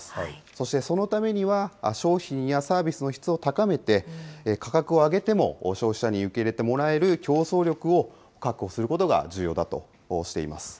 そして、そのためには、商品やサービスの質を高めて、価格を上げても消費者に受け入れてもらえる競争力を確保することが重要だとしています。